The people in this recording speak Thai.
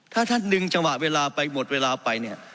ถ้าท่านดึงจังหวะเวลาไปหมดเวลาไปเนี่ย